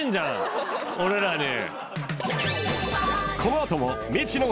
俺らに。